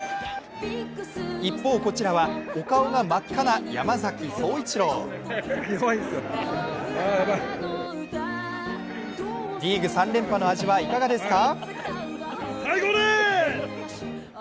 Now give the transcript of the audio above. こんなにめちゃくちゃにされても一方、こちらはお顔が真っ赤な山崎颯一郎。リーグ３連覇の味はいかがですか？